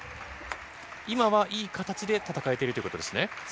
今はいい形で戦えているということですね。